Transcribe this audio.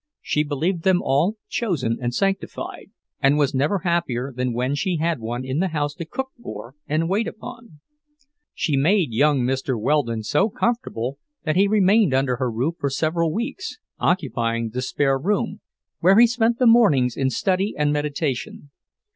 She believed them all chosen and sanctified, and was never happier than when she had one in the house to cook for and wait upon. She made young Mr. Weldon so comfortable that he remained under her roof for several weeks, occupying the spare room, where he spent the mornings in study and meditation.